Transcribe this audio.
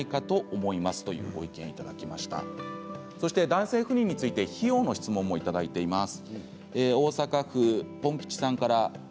男性不妊について費用の質問もいただいています。